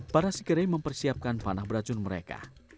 para sikere mempersiapkan panah beracun mereka